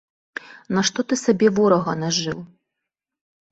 Нашто ты сабе ворага нажыў?